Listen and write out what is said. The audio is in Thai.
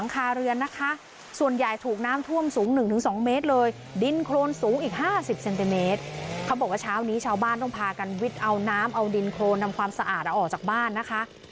เขาบอกว่าเช้านี้ชาวบ้านต้องพากันวิทย์เอาน้ำเอาดินโครนนำความสะอาดออกจากบ้านนะคะ